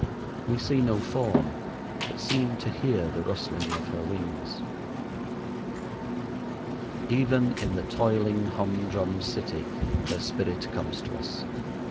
We see no form, but seem to hear the rustling of her wings. Even in the toiling hum drum city her spirit comes to us.